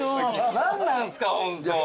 何なんすかホント。